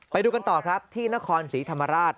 ไปดูกันต่อครับที่นครศรีธรรมราช